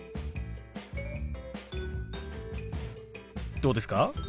どうですか？